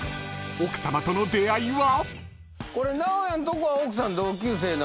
［奥さまとの出会いは？］